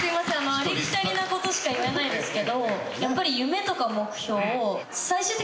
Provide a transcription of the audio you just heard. ありきたりな事しか言えないですけどやっぱり。